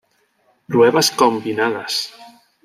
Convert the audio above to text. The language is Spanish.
Pruebas Combinadas